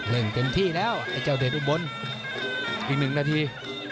เริ่มเต็มที่แล้วไอ้เจ้าเด็ดอุบรณอีกหนึ่งนาที